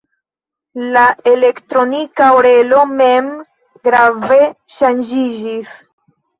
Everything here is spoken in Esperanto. La "Elektronika Orelo" mem grave ŝanĝiĝis.